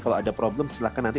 kalau ada problem silahkan nanti